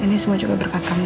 ini semua juga berkat kamu mas